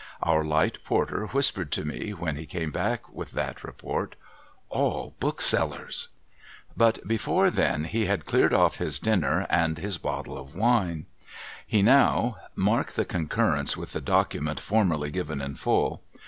Our light porter whispered to me, when he came back with that report, ' All booksellers.' But before then he had cleared off his dinner, and his bottle 3i8 SOMEBODY'S LUGGAGE of wine. He now — mark the concurrence with the document formerly given in full